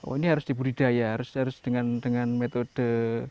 oh ini harus dibudidaya harus dengan metode